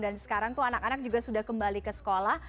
dan sekarang tuh anak anak juga sudah kembali ke sekolah